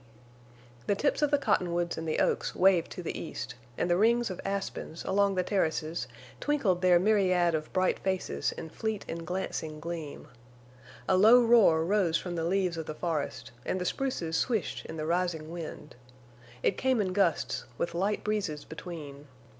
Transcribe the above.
The tips of the cottonwoods and the oaks waved to the east, and the rings of aspens along the terraces twinkled their myriad of bright faces in fleet and glancing gleam. A low roar rose from the leaves of the forest, and the spruces swished in the rising wind. It came in gusts, with light breezes between.